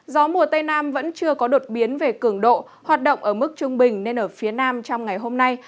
gió mùa tây nam vẫn chưa có đột biến về cường độ hoạt động ở mức trung bình nên ở phía nam trong ngày hôm nay